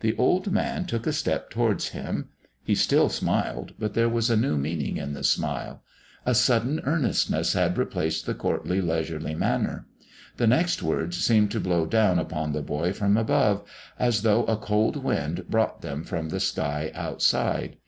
The old man took a step towards him. He still smiled, but there was a new meaning in the smile. A sudden earnestness had replaced the courtly, leisurely manner. The next words seemed to blow down upon the boy from above, as though a cold wind brought them from the sky outside.